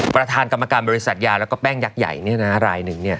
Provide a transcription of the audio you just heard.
ประธานกรรมการบริษัทยาแล้วก็แป้งยักษ์ใหญ่รายหนึ่ง